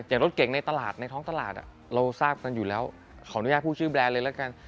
รถเก่งในตลาดในท้องตลาดเราทราบกันอยู่แล้วขออนุญาตพูดชื่อแบรนด์เลยละกัน